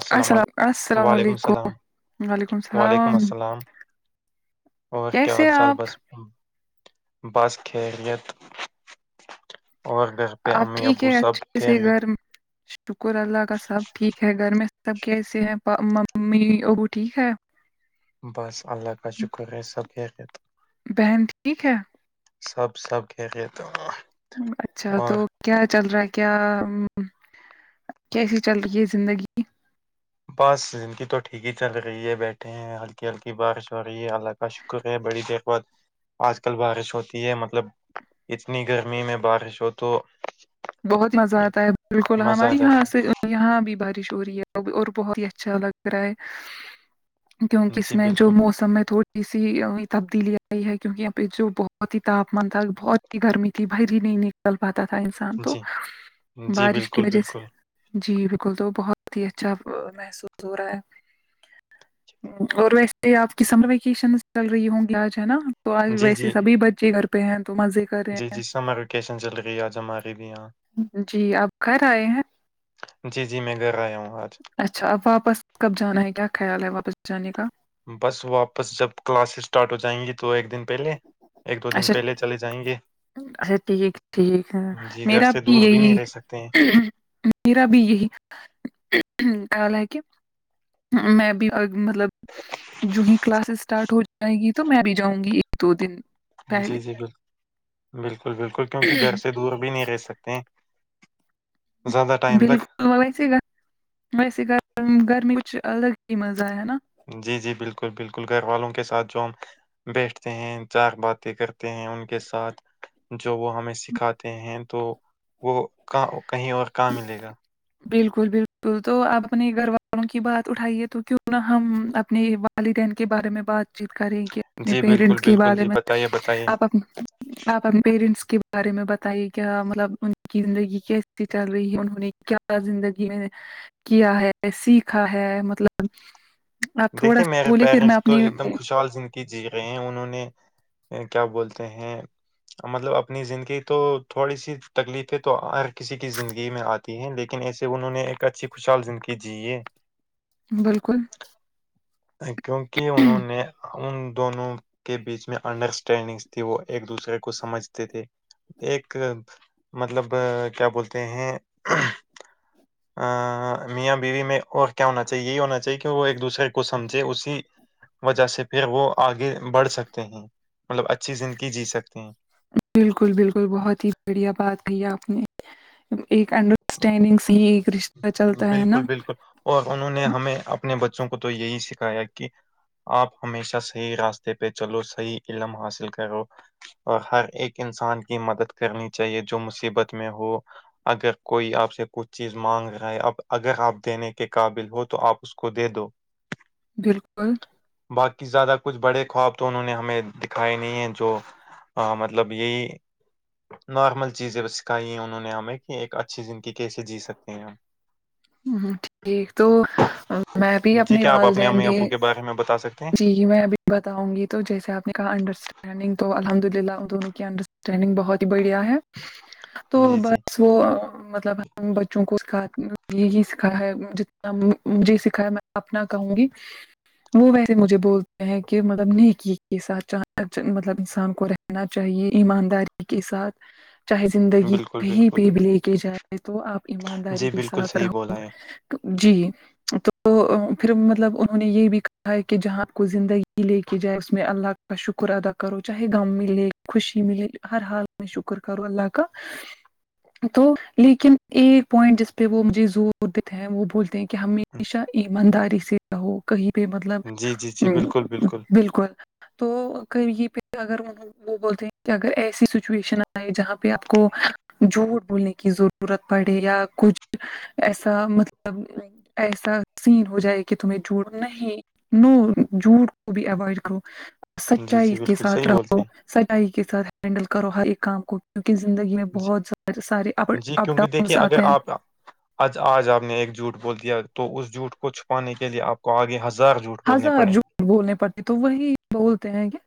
السلام علیک و علیکم السلام وعلیکم و علیکم السلام السلام اور کیا کیسے حال ہیں چال آپ بس بس خیریت اور ڈر آپ ٹھیک ہے اچھے سے گھر شکر اللہ کا سب ٹھیک ہے گھر میں سب کیسے ہیں ممی ابو ٹھیک ہے بس اللہ کا شکر ہے سب خیریت بہن ٹھیک ہے سب سب خیریت ہے اچھا تو کیا چل رہا کیا کیسی چل رہی ہے زندگی بس زندگی تو ٹھیک ہی چل رہی ہے بیٹھے ہیں ہلکی ہلکی بارش ہو رہی ہے الگ شکر ہے بڑی دیر بعد آج کل بارش ہوتی ہے مطلب اتنی گرمی میں بارش ہو تو بہت مزہ آتا ہے بالکل مزہ آ ہمارے یہاں جاتا سے یہاں بھی بارش ہو رہی ہے اور بہت ہی اچھا لگ رہا ہے ہے کیونکہ اس جی میں جو بالکل موسم میں تھوڑی اسی لیے تبدیلی آئی ہے کیونکہ یہاں پہ جو بہت ہی تاپمان تھا بہت اتنی گرمی تھی باہر ہی نہیں نکل پاتا تھا انسان تو جی جی بارش کی بالکل وجہ سے بالکل جی بالکل تو بہت ہی اچھا آ محسوس ہو رہا ہے اور ویسے آپ کی سمر ویکیشن چل رہی ہوں گی آج ہے نا تو آج جی ویسے جی سبھی بچے گھر پہ ہیں تو مزے کر رہے ہیں کیسا چلے گئے آج ہماری بھی آنکھ جی آپ گھر آئے ہیں جی جی میں گھر آیا ہوں آج اچھا اب واپس کب جانا ہے کیا خیال ہے واپس جانے کا بس واپس جب کلاسز اسٹارٹ ہو جائیں گی تو ایک دن پہلے ایک دو دن اچھا پہلے چلے جائیں گے اچھا ٹھیک ٹھیک ہے جی گھر میرا سے بھی دور نہیں یہی رہ سکتے ہیں میرا بھی یہی کہنہ ہے کہ میں بھی مطلب جوہی کلاسز اسٹارٹ ہو جائے گی تو میں بھی جاؤں گی ایک دو دن جی پہلے جی بالک بالکل بالکل کیونکہ گھر سے دور بھی نہیں رہ سکتے ہیں زیادہ ٹائم تک بالکل ویسے ویسے گرمی کچھ الگ ہی مزہ ہے نا جی جی بالکل بالکل گھر والوں کے ساتھ جو ہم بیٹھتے ہیں چار باتیں کرتے ہیں ان کے ساتھ جو وہ ہمیں سکھاتے ہیں تو وہ کا کہیں اور کہاں ملے گا بالکل بالکل تو آپ اپنے گھر والوں کی بات اٹھائیے تو کیوں نہ ہم اپنے ہی بات ابھی گھر کے بارے میں بات چیت کریں کہ اپنے جی بالکل پیرنٹس کے بالکل بارے جی میں بتائیے بتائیے آپ اب آپ اپنے پیرنٹس کے بارے میں بتائیے کیا مطلب ان کی زندگی کیسے چل رہی ہے انہوں نے کیا زندگی میں کیا ہے سیکھا ہے مطلب آپ تھوڑا دیکھیے سا میرے بولے پھر پیرنٹس میں تو ایک دم اپنے خوشحال زندگی جی رہے ہیں انہوں نے وہ کیا بولتے ہیں مطلب اپنی زندگی تو تھوڑی سی تکلیفیں تو ہر کسی کی زندگی میں آتی کی ہے لیکن ایسے انہوں نے ایک اچھی خوشحال زندگی جی ہے بالکل کیونکہ انہوں نے ان دونوں کے بیچ میں انڈرسٹینڈنگ تھی وہ ایک دوسرے کو سمجھتے تھے ایک مطلب کیا بولتے ہیں آہ میاں بیوی میں اور کیا ہونا چاہیے یہی ہونا چاہیے کہ وہ ایک دوسرے کو سمجھے اسی وجہ سے پھر وہ آگے بڑھ سکتے ہیں مطلب اچھی زندگی جی سکتے ہیں بالکل بالکل بہت ہی بڑھیا بات کہی آپ نے ایک انڈرسٹینڈنگ سے ہی ایک رشتہ چلتا ہے نا بالکل بالکل اور انہوں نے ہمیں اپنے بچوں کو تو یہی سکھایا کہ آپ ہمیشہ صحیح راستے پہ چلو صحیح علم حاصل کرو اور ہر ایک انسان کی مدد کرنی چاہیے جو مصیبت میں ہو اگر کوئی آپ سے کچھ چیز مانگ رہا اب اگر آپ دینے کے قابل ہو تو آپ اس کو دے دو بالکل باقی زیادہ کچھ بڑے خواب تو انہوں نے ہمیں دکھائے نہیں ہیں جو ہے مطلب یہی نارمل چیزیں بس سکھائی ہے انہوں نے ہمیں کہ ایک اچھی زندگی کیسے جی سکتے ہیں ہم ہم ٹھیک تو میں بھی جی اپنے کیا آپ والدین امی بھی ابو کے بارے میں بتا سکتے جی ج میں بھی بتاؤں گی تو جیسے آپ نے کہا انڈرسٹین ٹائمنگ تو الحمدللہ دونو کئ انداسٹنگ بھوت ہی بادیہ ہے تو ہیں جی جی بس وہ مطلب ہم بچوں کو سکھات یہی سیکھا ہے جتنا مجھے سکھا ہے میں اپنا کہوں گی وہ ویسے مجھے بولتے ہیں کہ مطلب نیکی کے ساتھ مطلب انسان کو رہ نا چاہیے ایمانداری کے ساتھ چاہے زندگی بالکل کہیں بالکل پہ بھی لے کے جائے تو آپ ایمانداری جی کے بالکل ساتھ صحیح رہو بولا ہے جی تو پھر مطلب انہوں نے یہ بھی کہا ہے کہ جہاںپ کو زندگی لے کے جائے اس میں اللہ کا شکر ادا کرو چاہے غم ملے خوشی ملے ہر حال شکر کرو اللہ کا تو لیکن ایک پوائنٹ جس میں وہ مجھے زور دیتے ہیں وہ بولتے ہیں کہ ہمیشہ ایمانداری سے نہ ہو کہیں پہ جی جی جی مطلب بالکل بالکل تو کر یہ پھر اگر وہ بولتے ہیں کہ اگر ایسی سچویشن آئے جہاں پہ آپ کو جھوٹ بولنے کی ضرورت پڑے یا کچھ ایسا مطلب لائک ایسا سین ہو جائے کہ تمہیں جڑنا ہے نو جھوٹ کو بھی اوائڈ کرو جی سچائی جی کے بالکل ساتھ صحیح بولتے رہو ہیں سچائی کے ساتھ ہینڈل کرو ہر ایک کام کو کیونکی زندگی میں بہت سارے اپا جی جی اپ کیونکہ ڈاؤنس دیکھیے اگر آتے ہیں آپ آج آج آپ نے ایک جھوٹ بول دیا تو اس جوٹ کو چھپانے کے لیے آپ کو آگے ہزار جھوٹ بولنے ہزار پڑیں جھوٹ بولنے پڑتے تو وہی بولتے ہیں کے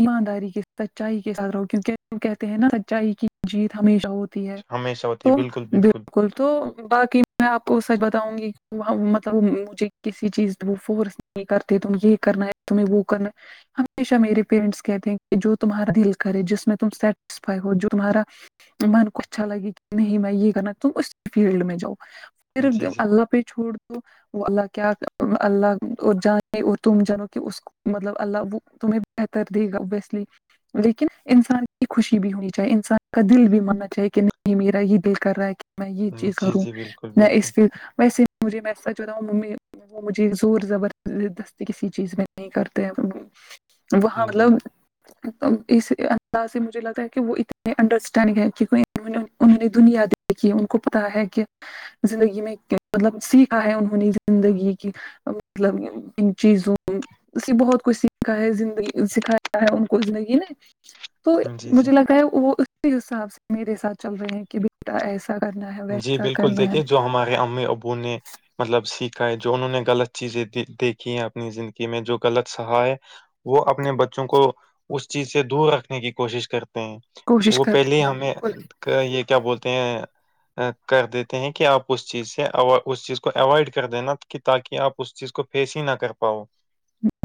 ایمانداری کے سچائی کے ساتھ رہو کیونکہ کہتے ہیں نا سچائی کی جیت ہمیشہ ہو تی ہے ہمیشہ ہوتی ہے تو بالکل بالکل تو باقی میں آپ کو سچ بتاؤں گی وہ مطلب مجھے کسی چیز وہ فورس نہیں کرتے تم یہ کرنا ہے تمہیں وہ کرنا ہمیشہ میرے پیرنٹس کہتے ہیں کہ جو تمہارا دل کرے جس میں تم سیٹسفائی ہو جو تمہارا من کو اچھا لگے کہ نہیں میں یہ کرنا تم اس فیلڈ میں جاؤ صرف جی جی اللہ پہ چھوڑ دو وہ اللہ کیا اللہ اور جانے اور تم جانو کہ اس کو مطلب اللہ وہ تمہیں بہتر دے گا ابویسلی لیکن انسان کی خوشی بھی ہونی چاہیے انسان کا دل بھی ماننا چاہیے کہ نہیں میرا یہ دل کر رہا ہے کہ میں یہ چیز جی کروں جی بالکل میں بالکل اس فی ویسے مجھے میں سچ بتاؤ ممی وہ مجھے زور زبردستی کسی چیز میں نہیں کرتے ہے وہ وہاں جی مطلب اس انداز سے مجھے لگا ہے کہ وہ اتنے انڈرسٹنڈنگ ہے کی کوئی انوں انہوں نے دنیا دیکھی ہے ان کو پتا ہے کہ زندگی میں مطلب سیکھا ہے انہوں نے زندگی کی مطلب ان چیزوں سے بہت کچھ سیکھا ہے زندگی سکھایا ہے ان کو زندگی نے تو جی جی مجھے لگ رہا ہے وہ اسی حساب سے میرے ساتھ چل رہے ہیں کہ بیٹا ایسا کرنا ہے جی ویسا بالکل کرنا ہے دیکھیے جو ہمارے امی ابو نے مطلب سیکھا ہے جو انہوں نے غلط چیزیں دے دیکھی ہیں اپنی زندگی میں جو غلط سہا ہے وہ اپنے بچوں کو اس چیز سے دور رکھنے کی کوشش کرتے ہیں کوشش وہ پہلے کرتے ہیں ہمیں بالکل کا یہ کیا بولتے ہیں کر دیتے ہیں کہ آپ اس چیز سے اس چیز کو اوائڈ کر دینا کہ تاکی آپ اس چیز کو فیس ہی نہ کر پاؤ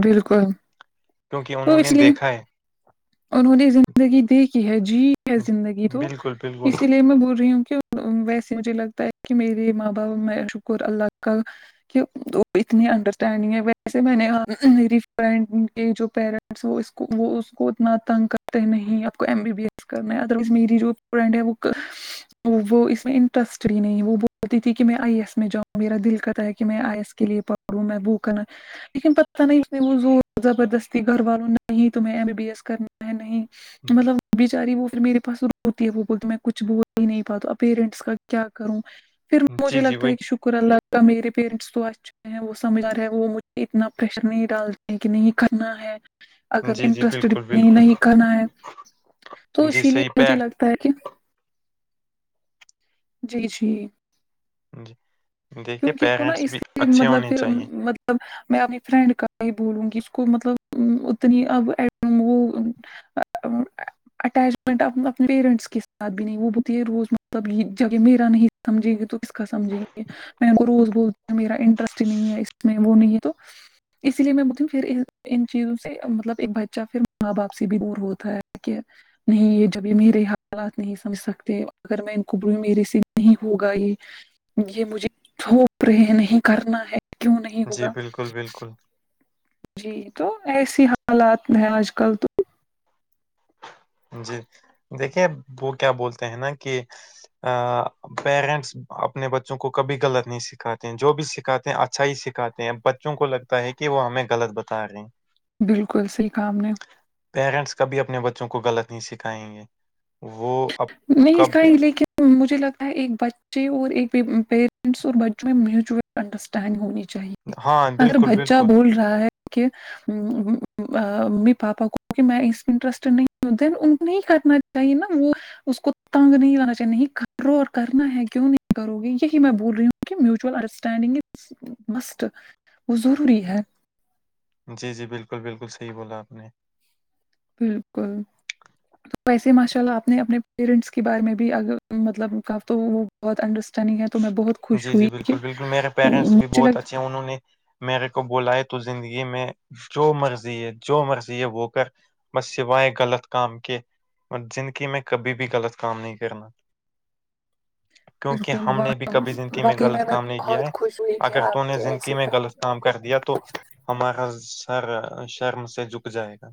بالکل کیونکہ تو انہوں اس نے لیے دیکھا ہے انہوں نے زندگی دیکھی ہے جی ہے زندگی تو بالکل بالکل اسی لیے میں بول رہی ہوں کہ ویسے مجھے لگتا ہے کی میرے ماں باپ میں شکر اللہ کا وہ اتنی انڈرسٹینڈنگ ہے ویسے میں نے میری فرینڈ کے جو پیر وہ اس کو وہ اس کو نا تنگ کرتے نہیں آپ کو ایم بی بی ایس کرنا ہے ادر وائز میری جو فرینڈ ہے وہ ک وہ اس میں انٹرسٹ ہی نہیں وہ بولتی تھی کہ میں آئی ایس میں جاؤں میرا دل کرتا کہ میں آئی ایس کے لیے پڑھ [unintelligible] لیکن پتہ نہیں اس نے وہ زور زبردستی گھر والوں نہیں تمہیں ایم بی بی ایس کرنا ہے نہیں مطلب بچاری وہ پھر میرے پاس روتی ہے وہ بولتی میں کچھ بول ہی نہیں پاتا پیرنٹس کا کیا کروں پھر جی مجھے جی لگتا وہی ہے کہ شکر اللہ میرے پیرنٹس تو اچھ ہے وہ سمج رہے ہیں وہ مجھے اتنا پریشر نہیں ڈالتے ہیں کہ نہیں کرنا ہے اگر جی جی انٹرسٹیڈ بھی بالکل نہیں بالکل نہیں کرنا ہے تو جی اسی لیے صحیح مجھے پیر لگت تا کی جی جی جی دیکھیے کیونکہ کو نا پیرنٹس اس بھی اچھے مطلب ہونے پھر چاہیے مط میں اپنی فرینڈ کا ہی بولوں گی اس کو مطلب اتنی اب وہ [unintelligible] اٹیچمنٹ اپ اپنے پیرنٹس کے ساتھ بھی نہیں وہ بولتی ہے یہ روز مطلب یہ جگہ میرا نہیں سمجھیں گے تو کس کا سمجھیں گے میں ان کو روز بولتی ہوں میرا انٹرسٹ ہی نہیں ہے اس میں وہ نہیں ہے تو اسی لیے میں بولتی ہوں پھر ان چیزوں سے مطلب ایک بچہ پھر ماں باپ سے بھی دور ہوتا ہے کہ نہیں یہ جب یہ میرے حالات نہیں سمجھ سکتے اگر میں ان کو بولوں میرے سے نہیں ہوگا یہ یہ مجھے تھوپ رہے ہیں نہیں کرنا ہے کیوں نہیں جی ہوگا بالکل بالکل جی تو ایسی حالات ہے آج کل تو جی دیکھیے وہ کیا بولتے ہیں ناں کہ آ پیرنٹس اپنے بچوں کو کبھی غلط نہیں سکھاتے ہیں جو بھی سکھاتے ہیں اچھا ہی سکھاتے تے ہیں بچوں کو لگتا ہے کہ وہ ہمیں غلط بتا رہے ہیں بالکل صحیح کہا آپ نے پیرنٹس کبھی اپنے بچوں کو غلط نہیں سکھائیں گے وہ اب نہیں کب سکھائی لیکن مجھے لگتا ہے ایک بچے اور ایک پے پ پیرنٹس اور بچوں میں میوچول انڈرسٹینڈ ہونی چاہیے ہاں اگر بالکل بچہ بالکل بول رہا ہے کہ آ میں پاپا کو کہ میں اس میں انٹرسٹڈ نہیں ہوں دین ان کو نہیں کرنا چاہیے ناں وہ اس کو تنگ نہیں لانا چاہیے نہیں کرو اور کرنا ہے کیوں نہیں کروگے یہی میں بول رہی ہوں کہ میوچول انڈرسٹینڈنگ از مسٹ وہ ضروری ہے جی جی بالکل بالکل صحیح بولا آپ نے بالکل ویسے ماشاء اللہ اپنے اپنے پیرنٹس کے بارے میں بھی اگر مطلب تو بہت انڈر نہیں ہے تو میں بہت خوش جی جی ہوئی کہ بالکل بالکل میرے پیرنٹس بھی مجھے بہت لگتا اچھے انہوں نے میرے کو بولا ہے تو زندگی میں جو مرضی ہے جو مرضی ہے وہ کر بس سوائے غلط کام کے زندگی میں کبھی بھی غلط کام نہیں کرنا کیونکہ بالکل ہم وا نے بھی کبھی زندگی میں واقعی غلط کام نہیں کیا ہے بہت خوش ہوئی کہ اگر تم آپ نے کے زندگی ایسی میں غلط کام کردیا تو ہمارا سر شرم سے جھک جائے گا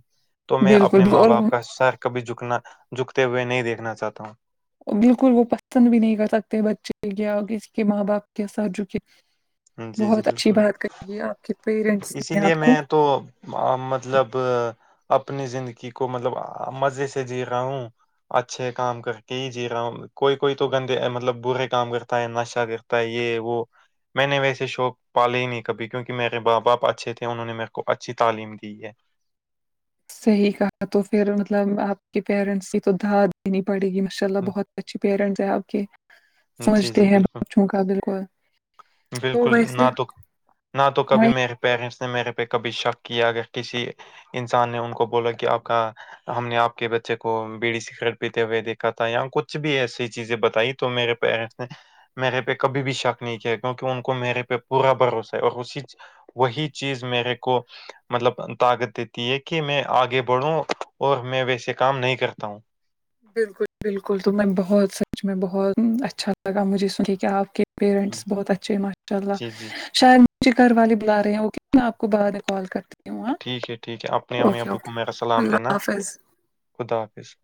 تو میں اپنے بالکل ماں اور باپ کا سر کبھی جکنا جکتے ہوئے نہیں دیکھنا چاہتا ہوں بالکل وہ پسند بھی نہیں کر سکتے بچے کیا کسی کے ماں باپ کے ساتھ جو کہ ہوں جی جی بہت اچھی بالکل بات کہی ہے آپ کے پیرینٹ اسی لیے میں تو مطلب اپنی زندگی کو مطلب مزے سے جی رہا ہوں اچھے کام کرکے جی را ہوں کوئی کوئی تو گندے مطلب برے کام کرتا ہے نشہ کرتا ہے یہ وہ میں نے ویسے شوق پالے ہی نہیں کبھی کیونکہ میرے باپ باپ اچھے تھے انہوں نے میرے کو اچھی تعلیم دی ہے صحیح کہا تو پھر مطلب آپ کے پیرنٹس کی تو داد دینی پڑے گی ماشاء اللہ بہت اچھے پیرنٹس ہیں آپ کے ہوں، جی سمجھتے جی ہیں بالکل بچوں کا بالکل تو بالکل ویسے ناں تو نان تو کبھی میرے پیرنٹس نے میرے پہ کبھی شک کیا اگر کسی انسان نے ان کو بولا کہ آپ کا ہم نے آپ کے بچے کو بیڑی سکریٹ پیتے ہوئے دیکھا تھا یا کچھ بھی ایسی چیزیں بتائی تو میرے پیرنٹس نے میرے پہ کبھی بھی شک نہیں کیا کیونکہ ان کو میرے پہ پورا بھروسہ ہے اور اسی وہی چیز میرے کو مطلب طاقت دیتی ہے کہ میں آگے بڑھوں اور میں ویسے کام نہیں کرتا ہوں بالکل بالکل تو میں بہت سچ میں بہت اچھا لگا مجھے سن کہ آپ کے پیرنٹس بہت اچھے ماشاء اللہ جی جی شاید مجھے گھر والے بلا رہے ہیں اوکے میں آپ کو بعد میں کال کرتی ہوں ٹھیک ہے ٹھیک ہے اپنے امی اوکے ابو اوکے اللہ حافظ خدافظ